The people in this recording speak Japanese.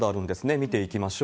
見ていきましょう。